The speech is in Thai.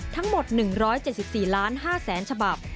ทั้งหมด๑๗๔๕๐๐๐๐ฉบับ